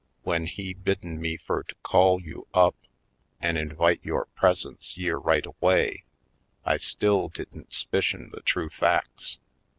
W'en he bidden me fur to call you up an* invite yore presence yere right away I still didn't 'spicion the true facts.